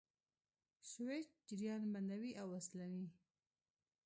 سویچ جریان بندوي او وصلوي.